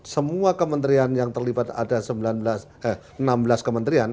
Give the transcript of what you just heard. semua kementerian yang terlibat ada enam belas kementerian